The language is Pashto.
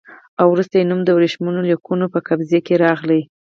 او وروسته یې نوم د ورېښمینو لیکونو په قضیه کې راغی.